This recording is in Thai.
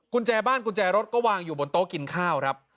กุญแจบ้านกุญแจรถก็วางอยู่บนโต๊ะกินข้าวครับ